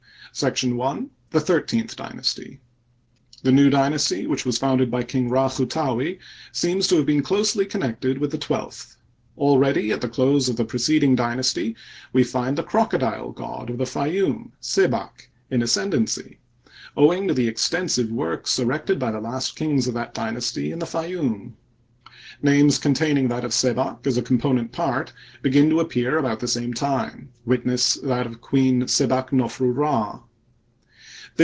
§ I. Tke Thirteenth Dynasty. The new dynasty, which was founded by King RS chu taui, seems to have been closely connected with the twelfth. Already, at the close of the preceding dynasty, we find the crocodile god of the Fayoum, Sebak, in the ascendency, owing to the extensive works erected by the last kings of that dynasty in the Fayoum. Names con taining that of Sebak as a component part begin to appear about the same time ; witness that of Queen Sebak nofru Rd.